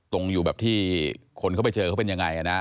อยู่แบบที่คนเขาไปเจอเขาเป็นยังไงนะ